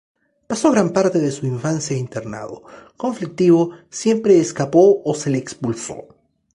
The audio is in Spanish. Pasó gran parte de su infancia internado; conflictivo, siempre escapó o se le expulsó.